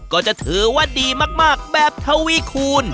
ก็จะถือว่าดีมากแบบทวีคูณ